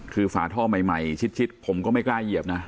คือฝาท่อใหม่ชิดผมก็ไม่กล้าเหยียบนะ